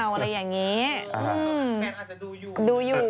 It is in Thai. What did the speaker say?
แมร์ทอาจจะดูอยู่